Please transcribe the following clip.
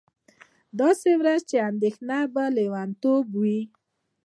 داسې ورځ چې اندېښنه به لېونتوب وي